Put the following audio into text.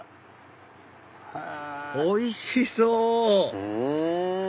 おいしそう！